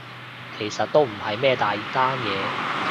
其實都唔係咩大單嘢